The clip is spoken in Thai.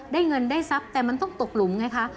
ได้เงินได้ทรัพย์แต่มันต้องตกหลุมไงคะ